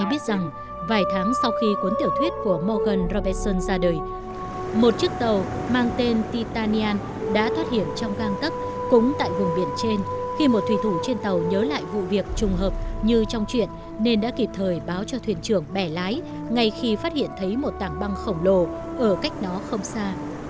ít ai biết rằng vài tháng sau khi cuốn tiểu thuyết của morgan robertson ra đời một chiếc tàu mang tên titanian đã thoát hiện trong gang tấc cúng tại vùng biển trên khi một thủy thủ trên tàu nhớ lại vụ việc trùng hợp như trong chuyện nên đã kịp thời báo cho thuyền trưởng bẻ lái ngay khi phát hiện thấy một tảng băng khổng lồ ở cách đó không xa